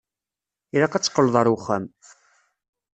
Ilaq ad teqqleḍ ar wexxam.